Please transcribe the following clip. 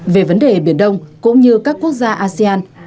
về vấn đề biển đông cũng như các quốc gia asean